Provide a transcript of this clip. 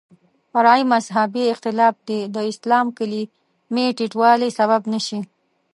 فرعي مذهبي اختلاف دې د اسلامي کلمې ټیټوالي سبب نه شي.